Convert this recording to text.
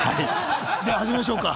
では始めましょうか。